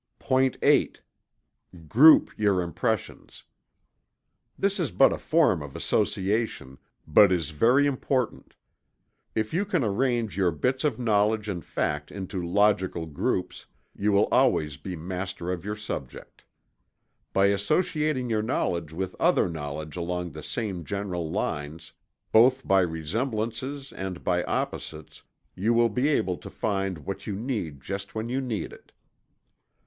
POINT VIII. Group your impressions. This is but a form of association, but is very important. If you can arrange your bits of knowledge and fact into logical groups, you will always be master of your subject. By associating your knowledge with other knowledge along the same general lines, both by resemblances and by opposites, you will be able to find what you need just when you need it.